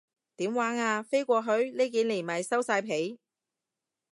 點玩啊，飛過去？呢幾年咪收晒皮